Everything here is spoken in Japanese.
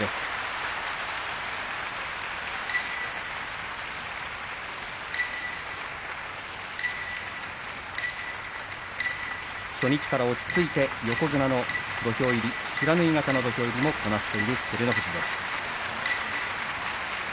拍手初日から落ち着いて横綱の土俵入り、不知火型の土俵入りもこなしている照ノ富士です。